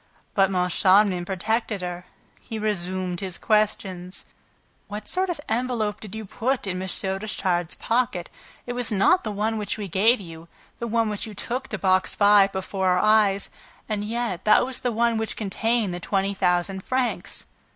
But Moncharmin protected her. He resumed his questions: "What sort of envelope did you put in M. Richard's pocket? It was not the one which we gave you, the one which you took to Box Five before our eyes; and yet that was the one which contained the twenty thousand francs."